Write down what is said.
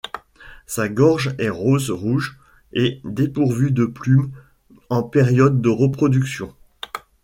Sa gorge est rose-rouge et dépourvue de plumes en période de reproduction.